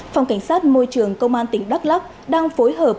phòng cảnh sát môi trường công an tỉnh đắk lắc đang phối hợp